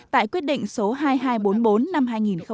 tại quyết định số hai nghìn hai trăm bốn mươi bốn năm hai nghìn một mươi